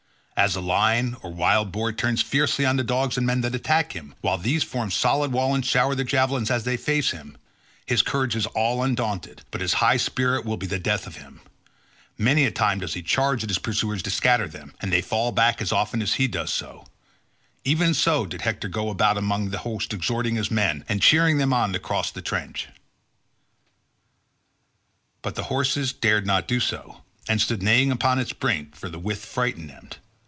As a lion or wild boar turns fiercely on the dogs and men that attack him, while these form a solid wall and shower their javelins as they face him—his courage is all undaunted, but his high spirit will be the death of him; many a time does he charge at his pursuers to scatter them, and they fall back as often as he does so—even so did Hector go about among the host exhorting his men, and cheering them on to cross the trench. But the horses dared not do so, and stood neighing upon its brink, for the width frightened them.